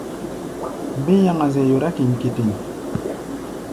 Mbé yaŋa-zɛ yora kéŋkétéŋ.